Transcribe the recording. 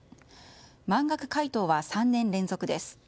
満額回答は３年連続です。